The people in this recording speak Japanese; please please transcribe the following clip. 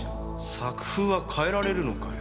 作風は変えられるのかよ？